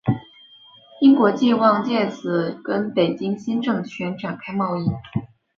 英国冀望藉此跟北京新政权展开贸易。